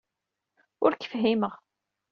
Ur k-fhimeɣ.